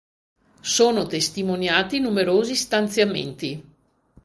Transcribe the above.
Sono testimoniati numerosi stanziamenti.